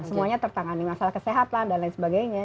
semuanya tertangani masalah kesehatan dan lain sebagainya